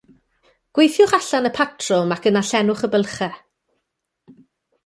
Gweithiwch allan y patrwm ac yna llenwch y bylchau.